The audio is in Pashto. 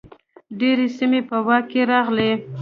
ډیرې سیمې په واک کې راغلې.